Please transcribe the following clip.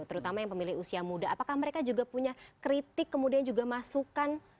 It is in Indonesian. terutama yang pemilih usia muda apakah mereka juga punya kritik kemudian juga masukan